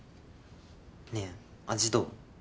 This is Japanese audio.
ねえ味どう？